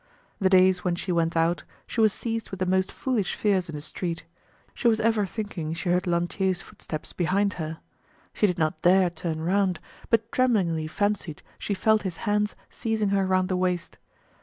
The days when she went out, she was seized with the most foolish fears in the street; she was ever thinking she heard Lantier's footsteps behind her. She did not dare turn round, but tremblingly fancied she felt his hands seizing her round the waist.